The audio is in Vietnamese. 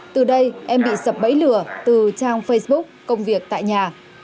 từ đây em bị sập bấy lửa từ trang facebook công việc tại nhà